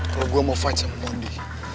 kalo gua mau fight sama mondi